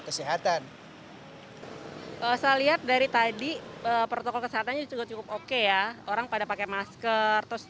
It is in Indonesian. kesehatan saya lihat dari tadi protokol kesehatan juga cukup oke ya orang pada pakai masker terus